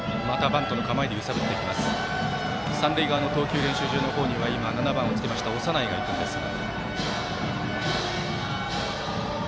三塁側の投球練習場の方に今、７番をつけました長内がいるんですが。